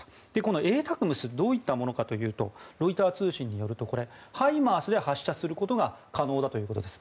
このＡＴＡＣＭＳどういったものかというとロイター通信によるとハイマースで発射することが可能だということです。